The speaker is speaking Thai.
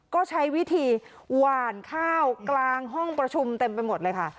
ก็ใช้วิธีหวานข้าวกลางห้องประชุมเต็มไปหมดเลยค่ะ